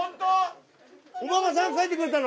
・お孫さん描いてくれたの？